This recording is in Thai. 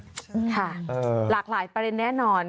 ค่ะหลากหลายประเด็นแน่นอน